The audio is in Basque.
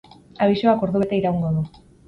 Abisuak ordubete iraungo du.